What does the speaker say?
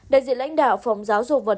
đại diện lãnh đạo phòng giáo dục vận hành